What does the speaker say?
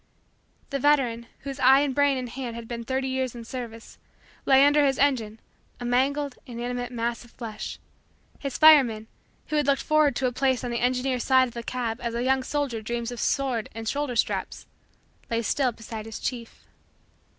The veteran, whose eye and brain and hand had been thirty years in service, lay under his engine, a mangled, inanimate mass of flesh; His fireman, who had looked forward to a place on the engineer's side of a cab as a young soldier dreams of sword and shoulder straps, lay still beside his chief.